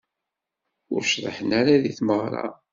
Ur cḍiḥen ara di tmeɣra.